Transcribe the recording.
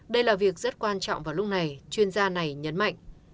đây là việc rất quan trọng vào lúc này chuyên gia này nhấn mạnh